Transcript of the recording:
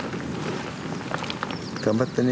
頑張ったね